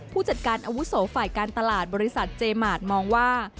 ผู้จัดการอาวุโสฝ่ายการตลาดบริษัทเจมาสมองว่า